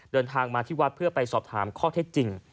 เดินทางมาที่วัดเพื่อไปสอบถามข้อเท็จจริง